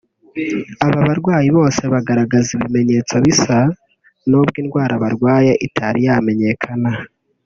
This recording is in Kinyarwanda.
Aba barwayi bose bagaragaza ibimenyetso bisa n’ubwo indwara barwaye itari yamenyekana